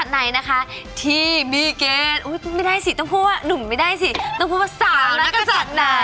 อ๋อจริงค่ะใช่แล้วค่ะ